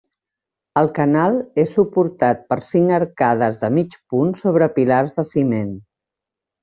El canal és suportat per cinc arcades de mig punt sobre pilars de ciment.